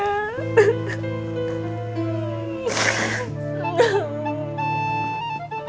selamat siang naya